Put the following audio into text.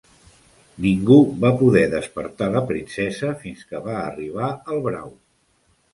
Ningú va poder despertar la princesa fins que va arribar el brau.